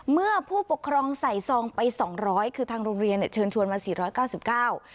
เมื่อผู้ปกครองใส่ซองไปสองร้อยคือทางโรงเรียนเนี่ยเชิญชวนมาสี่ร้อยเก้าสิบเก้า